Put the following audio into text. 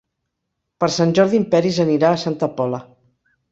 Per Sant Jordi en Peris anirà a Santa Pola.